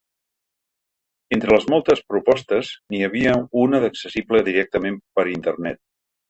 Entre les moltes propostes, n’hi havia una d’accessible directament per internet.